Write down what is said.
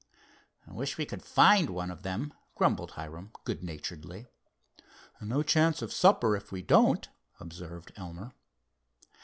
"Wish we could find one of them," grumbled Hiram, good naturedly. "No chance of supper if we don't," observed Elmer.